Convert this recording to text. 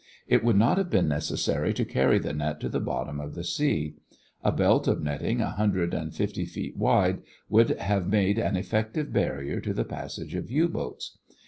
It would not have been necessary to carry the net to the bottom of the sea. A belt of netting a hundred and fifty feet wide would have made an effective bar to the passage of U boats.